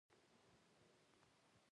هغه عالم وویل ته بیا پوه نه شوې.